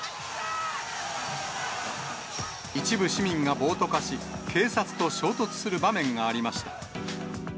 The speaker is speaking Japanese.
一部市民が暴徒化し、警察と衝突する場面がありました。